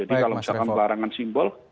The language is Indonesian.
jadi kalau misalkan barangan simbol